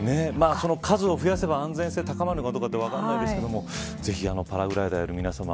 数を増やせば安全性が高まるかどうか分からないですがぜひパラグライダーをやる皆さま